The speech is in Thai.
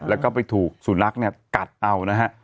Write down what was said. และก็ไปถูกสูรนักกัดแน่นอนนะค่ะ